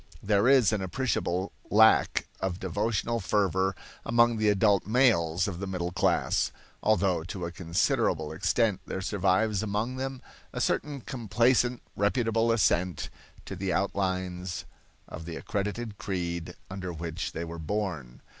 There is an appreciable lack of devotional fervor among the adult males of the middle class, although to a considerable extent there survives among them a certain complacent, reputable assent to the outlines of the accredited creed under which they were born.